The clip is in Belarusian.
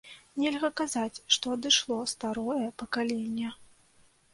Нельга казаць, што адышло старое пакаленне.